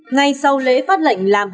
ngay sau lễ phát lệnh làm hàng